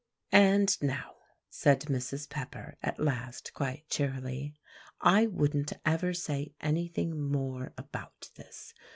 "And now," said Mrs. Pepper at last, quite cheerily, "I wouldn't ever say anything more about this.